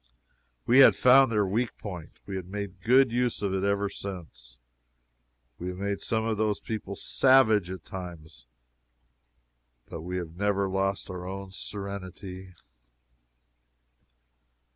We had found their weak point. We have made good use of it ever since. We have made some of those people savage, at times, but we have never lost our own serenity.